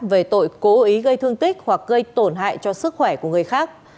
về tội cố ý gây thương tích hoặc gây tổn hại cho sức khỏe của người khác